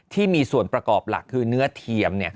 ที่มีส่วนประกอบหลักคือเนื้อเทียม